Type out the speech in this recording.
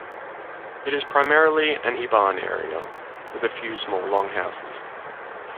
It is primarily an Iban area with a few small longhouses.